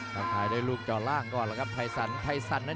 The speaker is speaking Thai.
ต้องถ่ายด้วยลูกจ่อล่างก่อนครับไทยสัน